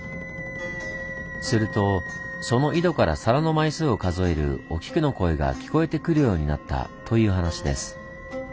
するとその井戸から皿の枚数を数えるお菊の声が聞こえてくるようになったという話です。